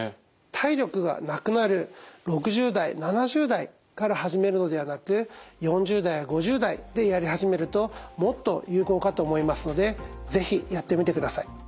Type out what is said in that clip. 体力がなくなる６０代７０代から始めるのではなく４０代５０代でやり始めるともっと有効かと思いますので是非やってみてください。